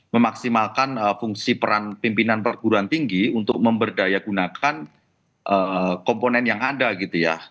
memaksimalkan fungsi peran pimpinan perguruan tinggi untuk memberdaya gunakan komponen yang ada gitu ya